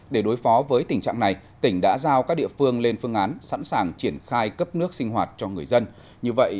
để đối phó với tình trạng này tỉnh đã giao các địa phương lên phương án sẵn sàng triển khai cấp nước sinh hoạt cho người dân